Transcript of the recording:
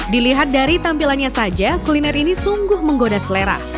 dilihat dari tampilannya saja kuliner ini sungguh menggoda selera